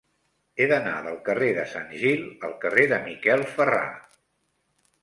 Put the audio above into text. He d'anar del carrer de Sant Gil al carrer de Miquel Ferrà.